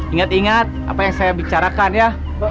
ingat ingat apa yang saya bicarakan ya